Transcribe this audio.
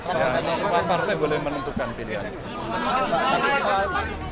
sebuah partai boleh menentukan pilihan